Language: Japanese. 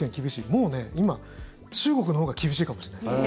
もうね、今、中国のほうが厳しいかもしれないです。